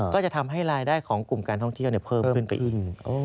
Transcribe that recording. ก็จะทำให้รายได้ของกลุ่มการท่องเที่ยวเพิ่มขึ้นไปอีก